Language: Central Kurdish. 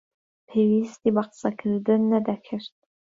پێویستی بە قسەکردن نەدەکرد.